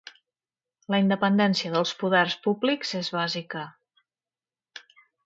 La independència dels poders públics és bàsica.